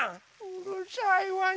うるさいわね